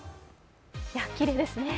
きれいですね。